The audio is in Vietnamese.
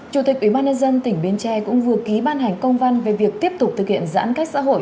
chủ tịch ubnd tỉnh bến tre cũng vừa ký ban hành công văn về việc tiếp tục thực hiện giãn cách xã hội